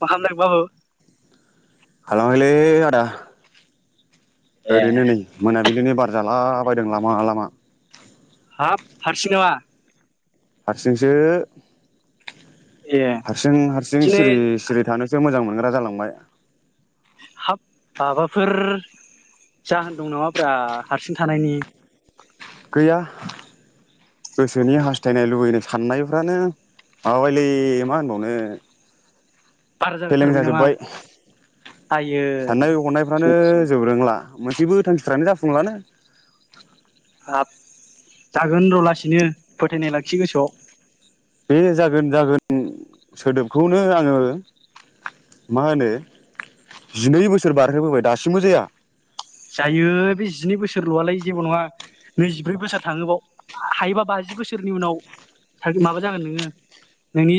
मा खालामदों बाबु। खालामाखैलै आदा। ओरैनो नै मोनाबिलिनि बार जालाबायदों लामा लामा हाब हारसिं नामा। हारसिंसो ए हारसिं हारसिं दिनै सिरि सिरि थानोसो मोजां मोन ग्रा जालांबाय। हाब माबाफोर जाहोन दं नाम ब्रा हारसिं थानायनि गैया गोसोनि हास्थायनाय लुबैनाय साननायफ्रानो माबाबायलै मा होनबावनो बारा फेलें जाथारबाय नामा जाजोब्बाय आइयो साननाय हनायफ्रानो सयथिबो जोबरोंला मोनसेबो थांखिफ्रानो जाफुंलानो हाब जागोन रलासिनो फोथायनाय लाखि गोसोआव बे जागोन जागोन सोदोबखौनो आङो मा होनो जिनै बोसोर बारह्रोबोबाय दासिमबो जाया जायो बे जिनै बोसोरल आलाय जेबो नङा नैजिब्रै बोसोर थाङोबाव हायोबा बाजि बोसोरनि उनाव माबा जागोन नोङो नोंनि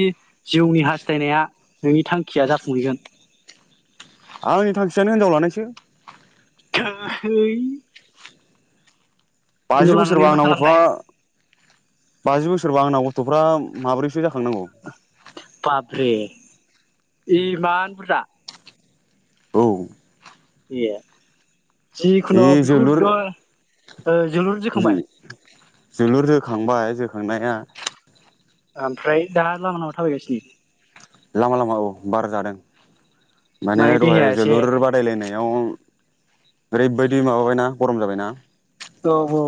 जिउनि हास्थायनाया नोंनि थांखिया जाफुंहैगोन। आंनि थांखियानो हिनजाव लानायसो [unintelligible] हिनजाव बाजि लानानै बोसोरबा मा आंना गथआ। खालामनाय बाजि बोसोरबा आंना गथ'फ्रा माबोरै। बाप रे इमान बुरजा। औ। ए। बे जिखुनु जोलुर बेखौथ ओ जोलुर जोखांबाय। जोलुर जोखांबाय जोखांनाया ओमफ्राय दा लामा लामा थाबायगासिनो। लामा लामा औ बार जादों माने देहाया दहाय एसे जोलुर बादायलायनाय अं ओरैबायदि माबा बायना गरम जाबायना औ औ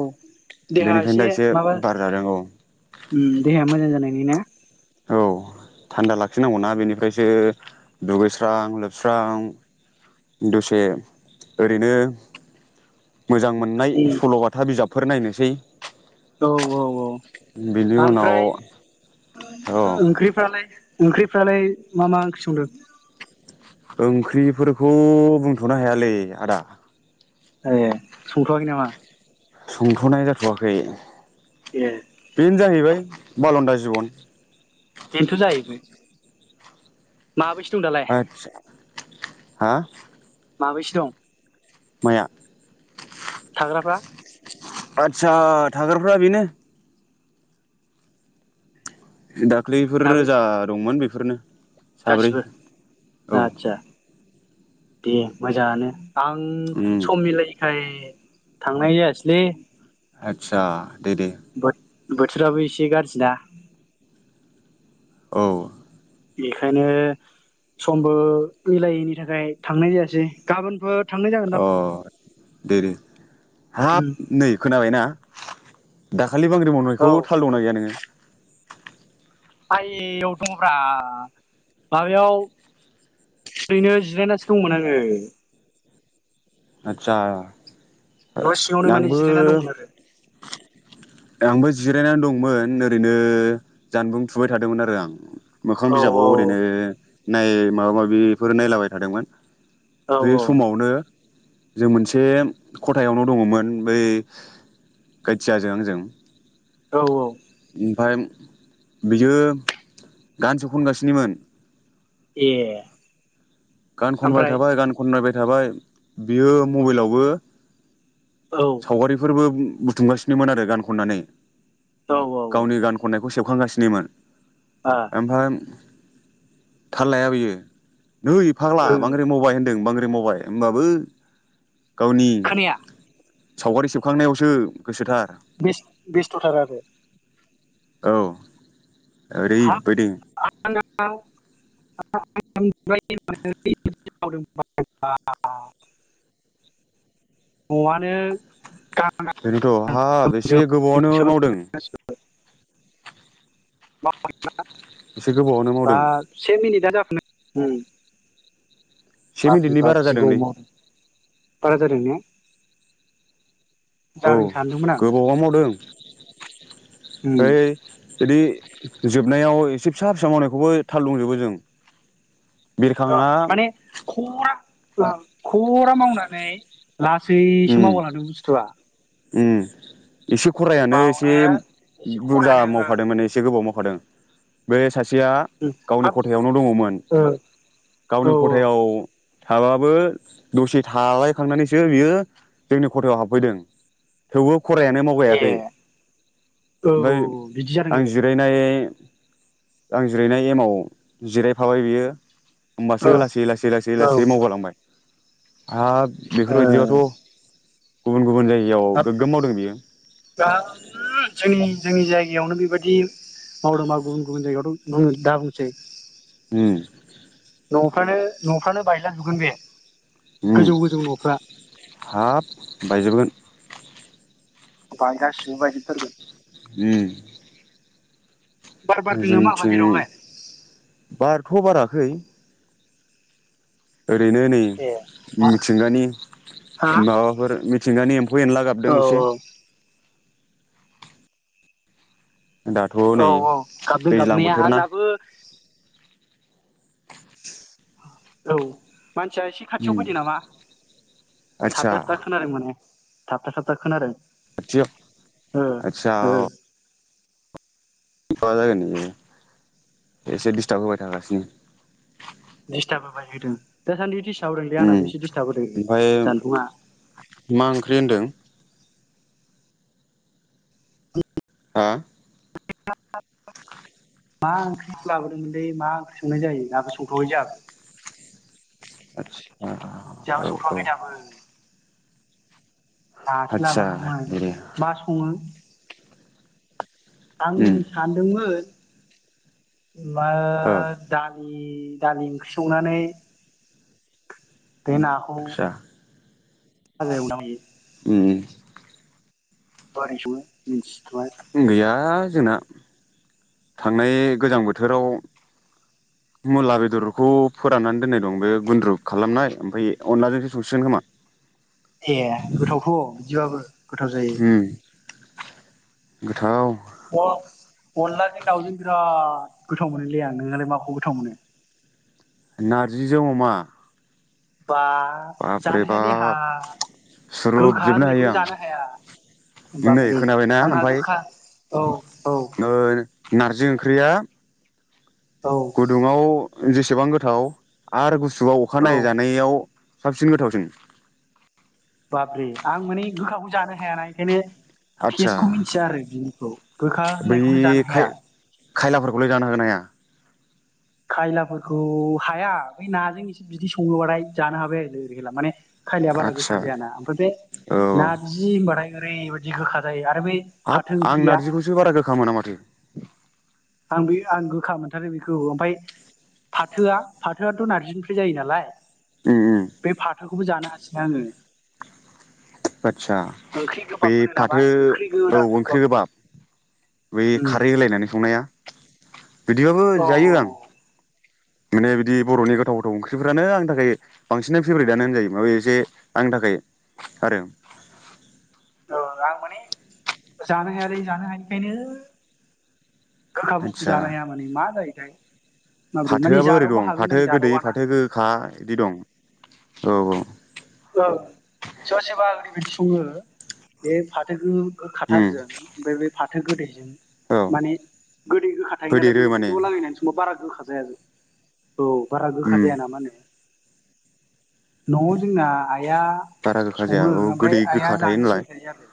देहा बेनिखायनो दा एसे माबा बार जादों औ ओ देहाया मोजां जानाय बिदिनो औ थान्दा लाखिनांगौनाा बेनिफ्रायसो दुगैस्रां लोबस्रां दसे ओरैनो मोजां मोननाय उम सल'बाथा बिजाब। फोर नायनोसै। औ औ औ। बिनि उनाव आमफ्राय औ ओंख्रिफ्रालाय ओंख्रिफ्रालाय मा मा ओंख्रि संदों ओंख्रिफोरखौ बुंथनो हायालै आदा ए संथआखै नामा संथनाय जाथवाखै ए बेनो जाहैबाय बालनन्दा जिबन बेन्थ जाहैबाय। माबैसो दं दालाय? आदसा हा माबैसे दं। माया थाग्राफ्रा आदसा थाग्राफ्रा बेनो दाख्लैफोर साबै जा दंमोन बेफो फोरनो गासिबो आतसा दे मोजाङानो आं उम सम मिलायैखाय थांनाय जायासैलै आथसा दे दे बोथोराबो एसे गाज्रि ना? औ बेखायनो समबो मिलायैनि थाखाय थांनाय जायासै गाबोनफोर थांनाय अ जागोनदां दे दे उम हाब नै खोनाबायना दा खालि बांग्रि औ मावनायखौ थाल दं गैया नोङो? आइयाव दङब्रा माबायाव ओरैनो जिरायनासो दंमोन आङो। आतचा। न सिङावनो माने जिरायना दंमोन आरो। आंबो जिरायनानै दंमोन ओरैनो जानबुं थुबाय थादोंमोन आरो आं। मोखां औ औ बिजाबाव ओरैनो नाय माबा माबिफोर नायलाबाय थादोंमोन। औ बे समावनो जों मोनसे खथायावनो दङमोन बै गायथियाजों आंजों। [inaudible] औ औ ओमफाय बियो गानसो खनगासिनोमोन। ए गान खनबाय ओमफ्राय थाबाय गान खननाय बाय थाबाय बियो मबाइलावबो औ सावगारिफोरबो बुथुमगासिनोमोन आरो गान खननानै। औ औ औ बेखौ सेबखांगासिनोमोन। आ ओमफाय थाल लाया बेयो नै फाग्ला ओं बांग्रिं मावबाइ होनदों बांग्रि मावबाय ओमबाबो गावनि खोनाया सावगारि सेबखांनायावसो गोसोथार बेस्थ'थार आरो औ हाब ओरैबायदि आंना न'आनो [unintelligible] न'आनो दा ओरैनोथ' हा बेसे गोबावावनो मावदों। गाबोमजोब। [unintelligible] एसे गोबावानो बा मावदों से मिनिटा जाबा [unintelligible] उम से मिनिटनि बारा जादोंलै। थारा थारिनो औ गोबावा मावदों। [inaudible] उम ओइ बिदि जोबनायाव एसे फिसा फिसा मावनायखौबो थाल दंजोबो जों अ बिरखांआ माने खुवा औ खरा मावनानै लासैसो मावगालादों बुस्थुआ। उओ एसे खरायानो एसे बावनो एसे बुरजा खरायानो ओ मावखादोंमोन एसे गोबाव माव दों बे सासे सेया उम गावनि हाब ख'थायावनो दङमोन ओ औ गावनि ख'थायाव थाबाबो दसे थालायखांनानैसो बियो जोंनि खथायाव हाबफैदों थेवबो खरायानो ए मावगायाखै औ ओमफ्राय बिदि जादों आं आरो जिरायनाय। आं जिरायनाय एमाव जिरायफाबाय बियो होमबासो ओ लासै लासै लासै औ लासै मावगालांबाय। आ बेफोरबायदिबाथ। ओ गुबुन गुबुन जायो बेयाव हाब गोग्गोम मावदों बियो दा जोंनि जोंनि जायगायावनो बेबायदि मावदोंबा गुबुन गुबुन जायगायावथ दा बुंसै। ह नफ्रानो नफ्रानो बायलाजुगोन बे ओम गोजौ गोजौ न'फ्रा हाब बायजोबगोन बाय गासिबो बाजिथारगोन उ बार बारदों नामा जोंनिथिं बाहेरायावलाय बारथ' बाराखै ओरैनो नै ए मिथिंगानि हा माबाफोर मिथिंगानि। खौ एनला गाबदों औ एसे दाथ' औ नै औ गाबदों दैज्लां गाबनाया बोथोर ना आंनाबो। औ मानसिया एसे उम खाथियाव फैदों नामा थाबथा आदसा थाबथा खोनादों माने थाबथा थाबथा खोनादों ओ [unintelligible] आतसा ओ माबा जागोन न एसे डिस्टार्ब होबाय थागासिनो दिस्टाब होबाय होदों दासान्दिदि ओम ओमफाय जानबुंआ मा ओंख्रि होनदों? हा? [unintelligible] मा ओंख्रि लाबोदोंमोनलै मा ओंख्रि संनाय जायो दाबो संथयाखै जोंहाबो [inaudible] औ जोहाबो औ संथवाखै दाबो नासो आदसा लाबोदोंमोन दे मा सङो आं उम सानदोंमोन मा औ दान लि दालि ओंख्रि संनानै बे नाखौ आदसा [unintelligible] एवोना मायो उम बारै सङो मिन्स गैया जोंना थांनाय गोजां बोथोराव मुला बेदरखौ फोराननानै दोननाय दं बे गुन्द्रु खालामनाय ओमफाय अनलाजोंसो संसिगोन खोमा ए गोथावथ' बिदिबाबो। गोथाव जायो गोथाउ अ-अनलाजों दाउजों बिराद गोथाव मोनोलै आं नोहालाय माखौ गोथाव मोनो? नारजिजों अमा बा बाब्रे जानो हायालै आहा बाब गोखा सुरुबजोबनो हायो होननायखौनो आं जानो हाया नै बाबरे खोनाबायना आंहा ओमफ्राय गोखा औ औ। ओ नारजि ओंख्रिया औ गुदुङाव जेसेबां गोथाव आरो गुस सुबा औ अखानायनायै जानायाव साबसिन गोथावसिन। बाबरे आं माने गोखाखौ जानो हायाना इखायनो आदसा टेस्टखौ मिथिया आरो बिनिखौ गोखा बै होननायखौनो जानो खाय हाया। खायलाफोरखौलाय जानो हागोना हाया? खायलाफोरखौ हाया बै नाजों एसे बिदै सङोबाथाय जानो हाबाय आरो गोदि गोला माने खायलिया बारा आदसा गोखा जायाना आमफ्राय बे औ नारजि होनबाथाय ओरैबायदि गोखा जायो आरो बै हाब फाथो आं ओंख्रिया नारजिखौसो बारा गोखा मोना माथो आं बे आं गोखा मोनथारो बेखौ ओमफाय फाथोआ फाथोआथ' नारजिनिफ्राय जायो नालाय ओम ओम बे खौबो जानो हासिना आङो आच्छा ओंख्रि बे गोबाब होनो नामा फाथो ओंख्रि औ गोरान ओंख्रि गोबाब बै उम खारै होलायनानै संनाया। बिदिबाबो औ जायो आं औ माने बिदि बरनि गोथाव गोथाव ओंख्रिफ्रानो आंनि थाखाय बांसिनै फेभरेटानो होनजायो माबे एसे आंनि थाखाय आरो। औ आं माने जानो हायालै जानो हायैखायनो गोखा बुस्थु आदसा जानो हाया माने मा जायोथाय। माबोरै माने फाथोआबो ओरै जादावबा दं हागोनदां फाथो गोदै जादावाना फाथो गोखा बिदि दं औ औ ओ सोरबा सोरबा ओरैबायदि सङो बे फाथो गो उम गोखाथारजों ओमफाय बे फा [unintelligible] गोदैजों औ माने गोदै गोखा थायो नालाय होदेरो मोनैजों माने ज लागायनानै समंबा बारा गोखा जाया [inaudible] औ बारा गोखा उम जाया नामानो। जोंना आइआ बारा गोखा जाया सङो औ आमफाय गोदै आइआ गोखा थायो जानो नालाय थिनबाय थायो आरो।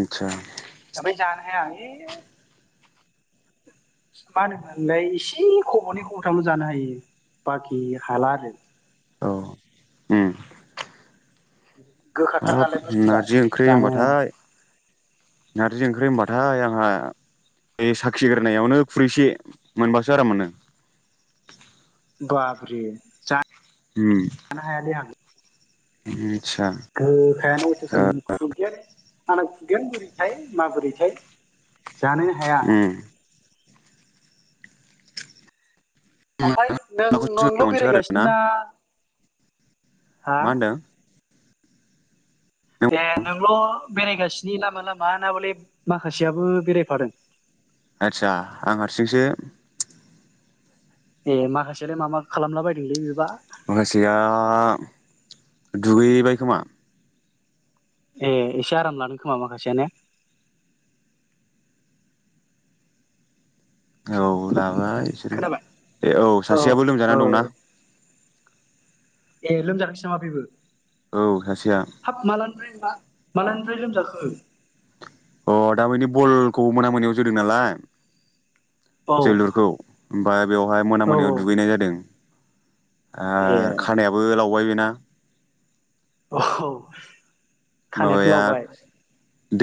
आच्छा। आमफाय जानो हाया आं ऐ मा होनोमोनलाय एसे खबनै खबथामल जानो हायो बाखि हाला आरो। औ अम गोखाथार हाब नालाय बुस्थुआ नारजि ओंख्रि जानो हाया होनबाथाय नारजि ओंख्रि होनबाथाय आंहा बे साखिगोरनायावनो खुरैसे मोनबासो आराम मोनो। बाबरे जा उम जानो हायालै आं। [unintelligible] गोखायानो अयथासार मोनो खुगायानो आंना खुगायानो बोरैथाय माबोरैथाय। जानोनो हाया। उम आमफाय नों खौसो नोंल मोनसोगारो बेरायगासिनो ना? हा मा होनदों? नों ए नंगौ बेरायगासिनो लामा लामा ना बले माखासेयाबो बेरायफादों? आदसा आं हारसिंसो। ए माखासेयालाय मा मा खालामला बायदोंलै बेबा? माखासेया दुगैबाय खोमा ए एसे आराम लानो खोमा माखासेया ने औ लाबाय बिसोरो खोनाबाय बे औ सासेयाबो लोमजा औ दंना। ए लोमजादोंसो नामा बेबो? औ सासेया [unintelligible] मालानिफ्राय लोमजाखो? अ दा माने बलखौ मोना मोनायाव जोदों नालाय औ जोलुरखौ ओमबा बेवहाय मोना औ मोनायाव दुगैनाय जादों। ओ ए खानायाबो लावबाय बेना [inaudible] अह माबाया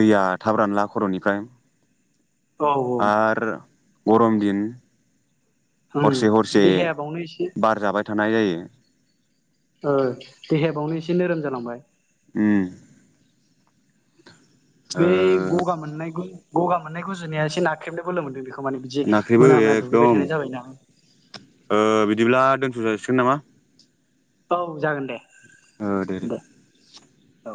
दैया थाब रानला खर'निफ्राय औ औ आरो गरम दिन ओं हरसे हरसे देहाया बावनो एसे बार जाबाय थानाय जायो। ओ देहाया बावनो एसे नोरोम जालांबाय। उम बे ओ गगा मोननायखौ गगा मोननाय गुजुनायासो नाख्रेबनो बोलो मोनदों बेखौ। खौ माने बिदि नाख्रेबो मोना मोना दुगैबाय एकदम थानाय जाबायना। ओ बिदिब्ला दोनथ जासिगोन नामा? औ जागोन दे। ओ दे दे औ